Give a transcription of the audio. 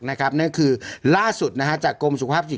นั่นก็คือล่าสุดจากกรมสุขภาพจิต